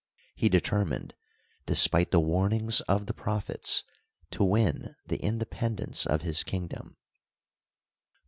He determined, despite the warnings of the prophets, to win the independence of his kingdom.